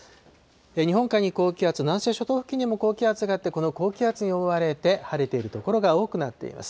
日本海に高気圧、南西諸島付近にも高気圧があって、この高気圧に覆われて、晴れている所が多くなっています。